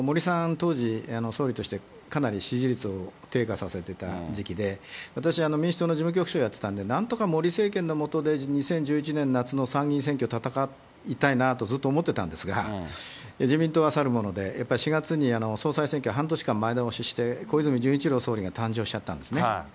当時、総理としてかなり支持率を低下させてた時期で、私、民主党の事務局長やってたんで、なんとか森政権の下で２０１１年夏の参議院選挙戦いたいなとずっと思ってたんですが、自民党はさるもので、やっぱり４月に総裁選挙半年間前倒しして、小泉純一郎総理が誕生しちゃったんですね。